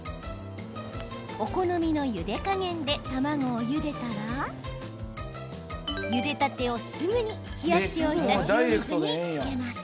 お好みのゆで加減で卵をゆでたらゆでたてをすぐに冷やしておいた塩水につけます。